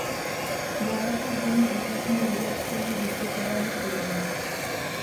Dále se v zimě účastní lyžařského výcvikového kurzu.